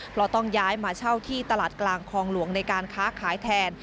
เพราะต้องย้ายมาเช่าที่ตลาดกลางคลองหลวงในการค้าขายแทน